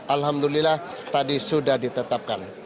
alhamdulillah tadi sudah ditetapkan